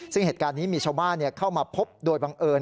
ซึ่งเหตุการณ์นี้มีชาวบ้านเข้ามาพบโดยบังเอิญ